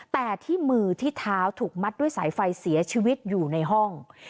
แต่ที่มือที่เท้าถูกมัดด้วยสายไฟเสียชีวิตอยู่ในห้อง